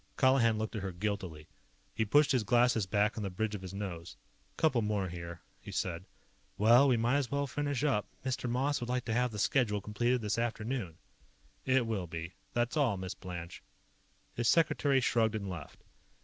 Colihan looked at her guiltily. He pushed his glasses back on the bridge of his nose. "Couple more here," he said. "Well, we might as well finish up. Mr. Moss would like to have the schedule completed this afternoon." "It will be. That's all, Miss Blanche." His secretary shrugged and left.